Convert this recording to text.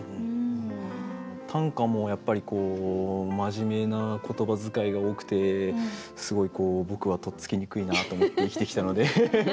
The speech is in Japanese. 短歌もやっぱり真面目な言葉遣いが多くてすごい僕はとっつきにくいなと思って生きてきたので。